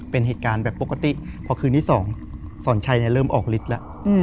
เป็นเหตุการณ์แบบปกติพอคืนที่๒สอนชัยเริ่มออกฤทธิ์แล้ว